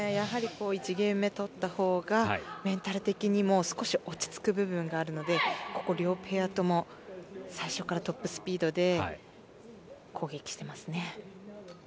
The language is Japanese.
１ゲーム目取ったほうがメンタル的にも少し落ち着く部分があるのでここ両ペアとも最初からトップスピードで攻撃してますね。